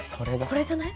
これじゃない？